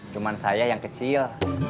cuman saya yang kecil